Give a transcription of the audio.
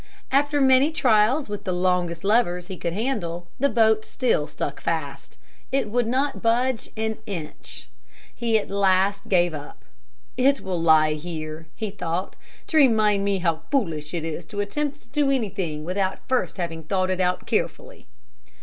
After many trials with the longest levers he could handle, the boat still stuck fast. It would not budge an inch. He at last gave it up. "It will lie here," he thought, "to remind me how foolish it is to attempt to do anything without first having thought it out carefully."